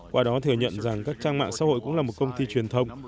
qua đó thừa nhận rằng các trang mạng xã hội cũng là một công ty truyền thông